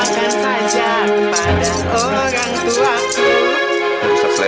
kamu harus bawain careful okey